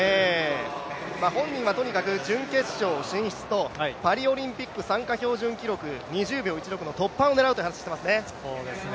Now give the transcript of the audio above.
本人はとにかく準決勝進出とパリオリンピック参加標準記録２０秒１６の突破を狙うと話していますね。